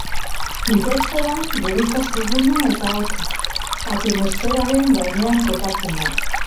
Litosfera, geruza zurruna eta hotza, astenosferaren gainean kokatzen da.